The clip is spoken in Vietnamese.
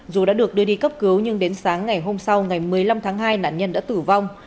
dù đã được đưa đi cấp cứu nhưng đến sáng ngày hôm sau ngày một mươi năm tháng hai nạn nhân đã tử vong